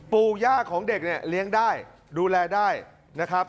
ปู่ย่าของเด็กเนี่ยเลี้ยงได้ดูแลได้นะครับ